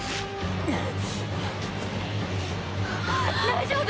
大丈夫？